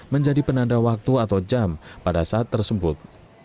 menjadi penanda waktu atau jam pada saat tersebut